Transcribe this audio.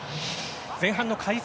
前半の開始